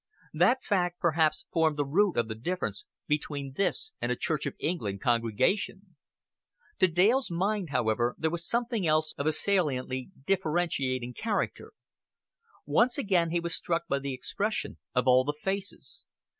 That fact perhaps formed the root of the difference between this and a Church of England congregation. To Dale's mind, however, there was something else of a saliently differentiating character. Once again he was struck by the expression of all the faces.